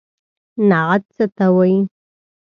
نعت څه ته وايي.